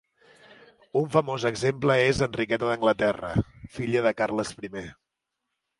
Un famós exemple és Enriqueta d'Anglaterra, filla de Carles I.